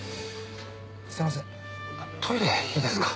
すいませんトイレいいですか？